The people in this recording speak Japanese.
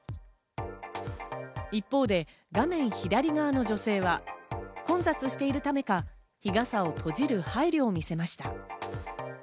一方で、画面左側の女性は、混雑しているためか日傘を閉じる配慮を見せました。